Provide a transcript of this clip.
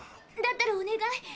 だったらお願い。